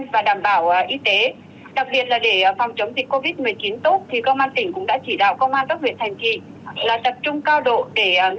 vâng hiện tại thì công an tỉnh cũng đang phối hợp với chính quyền